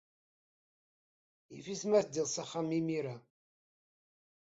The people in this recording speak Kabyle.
Yif-it ma teddiḍ s axxam imir-a.